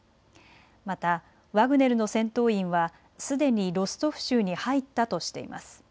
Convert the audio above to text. またワグネルの戦闘員はすでにロストフ州に入ったとしています。